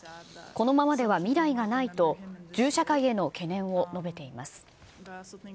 このままでは未来がないと、銃社会への懸念を述べています。